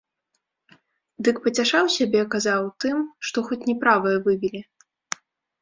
Дык пацяшаў сябе, казаў, тым, што хоць не правае выбілі.